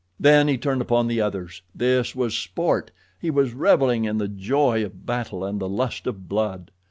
Then he turned upon the others. This was sport. He was reveling in the joy of battle and the lust of blood.